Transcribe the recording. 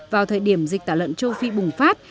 vào thời điểm dịch tả lợn châu phi bùng phát